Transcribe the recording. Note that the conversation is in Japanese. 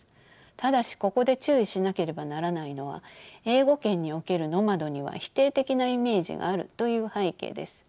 ただしここで注意しなければならないのは英語圏における「ノマド」には否定的なイメージがあるという背景です。